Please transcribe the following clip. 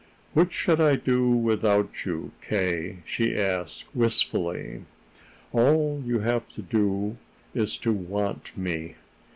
"What should I do without you, K.?" she asked wistfully. "All you have to do is to want me."